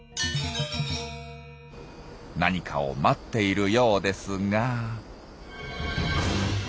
何かを待っているようですが。